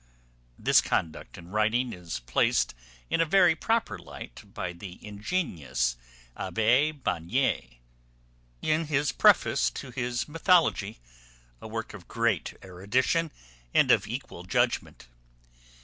This conduct in writing is placed in a very proper light by the ingenious Abbé Bannier, in his preface to his Mythology, a work of great erudition and of equal judgment.